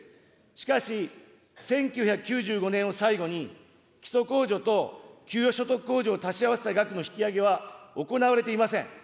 しかし、１９９５年を最後に、基礎控除と給与控除を足し合わせた額の引き上げは行われていません。